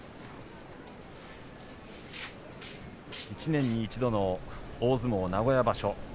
１年に一度の大相撲名古屋場所